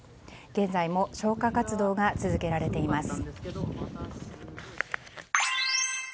現在も消火活動が続けられています。